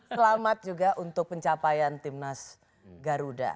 selamat juga untuk pencapaian timnas garuda